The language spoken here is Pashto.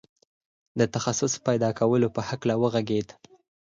د تخصص پيدا کولو په هکله وغږېد.